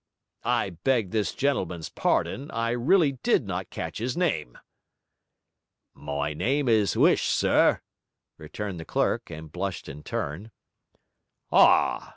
I beg this gentleman's pardon, I really did not catch his name.' 'My name is 'Uish, sir,' returned the clerk, and blushed in turn. 'Ah!'